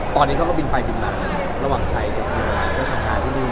ตอนนี้เขาก็เป็นไปติดลาระหว่างไทยเดี๋ยวลากับสำคัญที่นี่